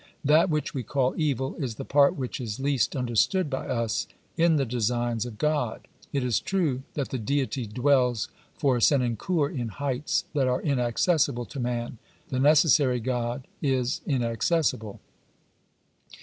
That which we call evil is the part which is least under stood by us in the designs of God. It is true that the Deity dwells for Senancour in heights that are inaccessible to man, "The necessary God is inaccessible."